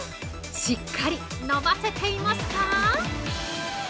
しっかり伸ばせていますか？